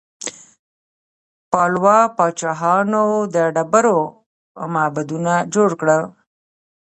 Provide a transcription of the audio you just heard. پالوا پاچاهانو د ډبرو معبدونه جوړ کړل.